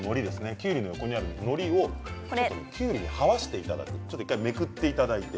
きゅうりの下にある、のりをきゅうりに合わせていただいて１回めくっていただいて。